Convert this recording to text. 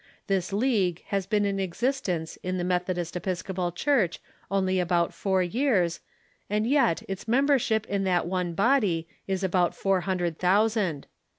This League has been in existence in the Methodist Episcopal Church only about four years, and yet its membership in that one body is about four hundred thousand.